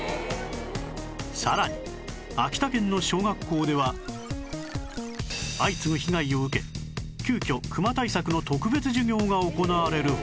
さらに秋田県の小学校では相次ぐ被害を受け急きょクマ対策の特別授業が行われるほど